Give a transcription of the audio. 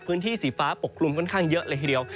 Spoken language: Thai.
พื้นที่สีฟ้าปกคลุมค่อนข้างเยอะเลยทีเดียว